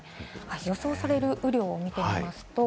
予想される雨量を見てみます。